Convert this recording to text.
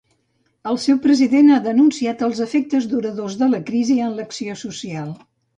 El seu president ha denunciat els efectes duradors de la crisi en l'acció social.